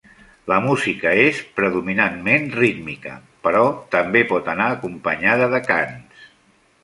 La música és predominantment rítmica, però també pot anar acompanyada de cants.